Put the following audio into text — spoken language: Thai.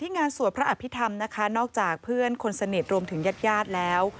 งานสวดพระอภิษฐรรมนะคะนอกจากเพื่อนคนสนิทรวมถึงญาติญาติแล้ว